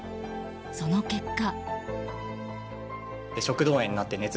その結果。